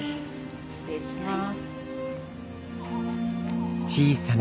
失礼します。